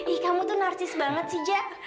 ih kamu tuh narsis banget sih jack